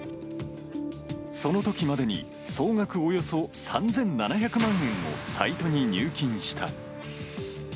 そのときまでに、総額およそ３７００万円をサイトに入金した。